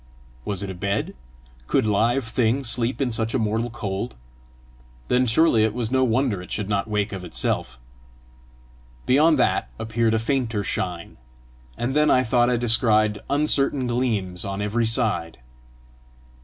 Was it a bed? Could live thing sleep in such a mortal cold? Then surely it was no wonder it should not wake of itself! Beyond that appeared a fainter shine; and then I thought I descried uncertain gleams on every side.